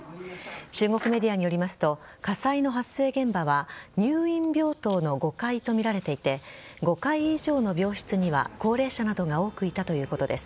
中国メディアによりますと火災の発生現場は入院病棟の５階とみられていて５階以上の病室には高齢者などが多くいたということです。